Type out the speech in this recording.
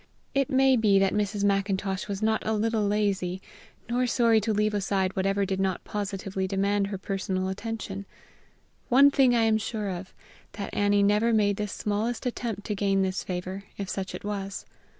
It may be that Mrs. Macintosh was not a little lazy, nor sorry to leave aside whatever did not positively demand her personal attention; one thing I am sure of, that Annie never made the smallest attempt to gain this favor, if such it was.